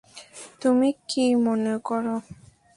তুমি কি মনে করো?